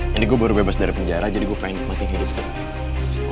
jadi gue baru bebas dari penjara jadi gue pengen nikmatin hidup gue